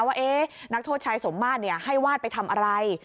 ว่านักโทษชายสมมาตรให้วาดไปทำอะไร